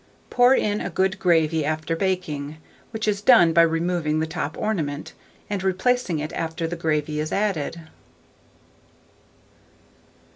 Pour in a good gravy after baking, which is done by removing the top ornament, and replacing it after the gravy is added.